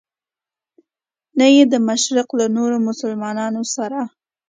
نه یې د مشرق له نورو مسلمانانو سره.